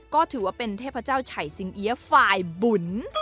ก็ถือว่าเป็นเทพเจ้าไฉสิงเอี๊ยฝ่ายบุญ